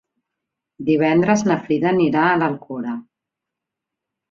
Divendres na Frida anirà a l'Alcora.